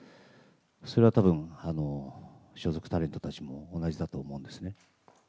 それはたぶん、所属タレントたちも同じだと思うんですね。